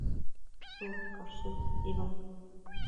Chushcaushi utsibo